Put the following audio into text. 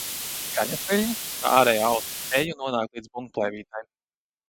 Skaņas viļņi pa ārējo auss eju nonāk līdz bungplēvītei.